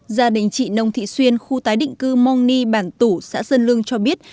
gia đình chị nông thị xuyên khu tái định cư mong ni bản tủ xã sơn lương cho biết